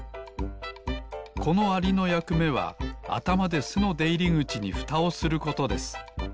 このアリのやくめはあたまですのでいりぐちにふたをすることです